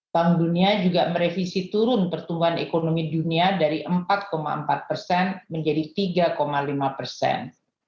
bank dunia juga merevisi turun pertumbuhan ekonomi dunia dari empat empat persen menjadi tiga lima persen